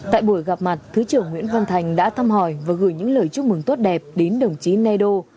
tại buổi gặp mặt thứ trưởng nguyễn văn thành đã thăm hỏi và gửi những lời chúc mừng tốt đẹp đến đồng chí neo